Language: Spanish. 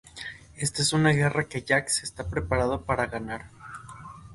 Ésta es una guerra que Jax está preparado para ganar.